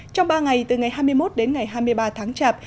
trong ba ngày từ ngày hai mươi một đến ngày hai mươi ba tháng chạp